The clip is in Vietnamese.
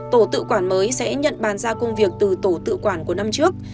tổ tự quản mới sẽ nhận bàn ra công việc từ tổ tự quản của năm trước